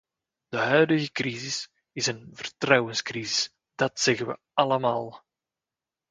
De huidige crisis is een vertrouwenscrisis, dat zeggen we allemaal.